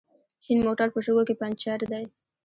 شين موټر په شګو کې پنچر دی